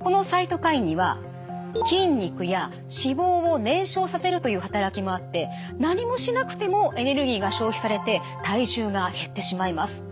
このサイトカインには筋肉や脂肪を燃焼させるという働きもあって何もしなくてもエネルギーが消費されて体重が減ってしまいます。